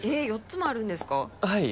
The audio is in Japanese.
４つもあるんですかはい